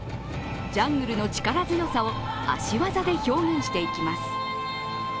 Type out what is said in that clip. ジャングルの力強さを足技で表現していきます。